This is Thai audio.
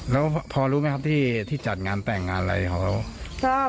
แล้วพอรู้ไหมครับที่จัดงานแต่งงานอะไรของเขา